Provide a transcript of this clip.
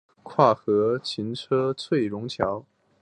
旁为另一跨河行车桥翠榕桥。